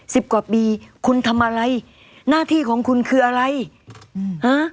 สิบกว่าปีคุณทำอะไรหน้าที่ของคุณคืออะไรอืมฮะ